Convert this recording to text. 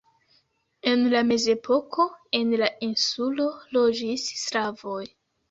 En la Mezepoko en la insulo loĝis slavoj.